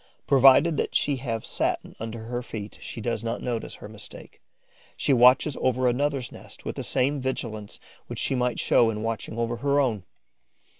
Provided that she have satin under her feet, she does not notice her mistake; she watches over another's nest with the same vigilance which she might show in watching over her own.